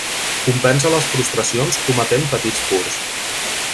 Compensa les frustracions cometent petits furts.